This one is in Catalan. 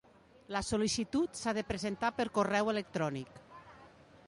La sol·licitud s'ha de presentar per correu electrònic.